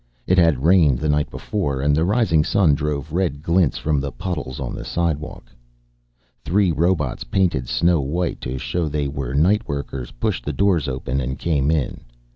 It had rained the night before and the rising sun drove red glints from the puddles on the sidewalk. Three robots, painted snow white to show they were night workers, pushed the doors open and came in.